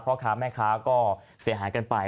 พ่อค้าแม่ค้าก็เสียหายกันไป